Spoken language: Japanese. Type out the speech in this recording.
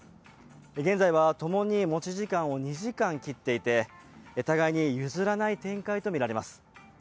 現在は、ともに持ち時間を２時間切っていて互いに譲らない展開とみられます。